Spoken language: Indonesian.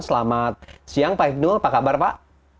selamat siang pak ibnul apa kabar pak